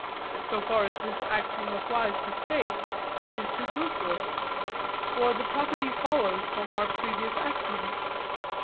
So far as this axiom applies to space, it is superfluous. For the property follows from our previous axioms.